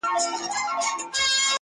o کوزه په دري چلي ماتېږي.